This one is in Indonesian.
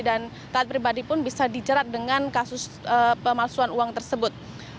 dan taat pribadi pun bisa dicerat dengan kasus pemalsuan uang tersebut